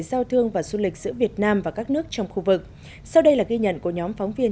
giao thương và du lịch giữa việt nam và các nước trong khu vực sau đây là ghi nhận của nhóm phóng viên